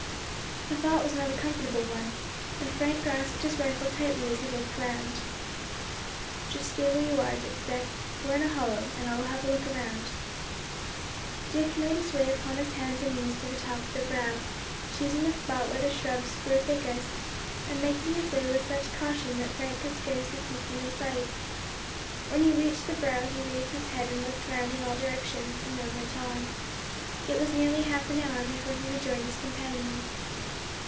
The thought was not a comfortable one, and Frank grasped his rifle tightly as he looked round. "Just stay where you are," Dick said; "we are in a hollow, and I will have a look round." Dick made his way upon his hands and knees to the top of the brow, choosing a spot where the shrubs grew thickest, and making his way with such caution that Frank could scarcely keep him in sight. When he reached the brow he raised his head and looked round in all directions and then went on. It was nearly half an hour before he rejoined his companion.